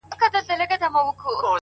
• په سلو کي سل توافق موجود وي -